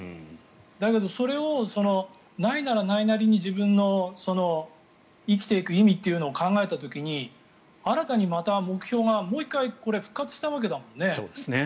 だけど、それをないならないなりに自分の生きていく意味というのを考えた時に新たにまた目標がもう１回復活したわけだもんね。